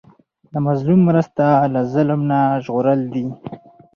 د مظلوم مرسته له ظلم نه ژغورل دي.